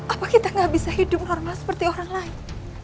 apa kita gak bisa hidup normal seperti orang lain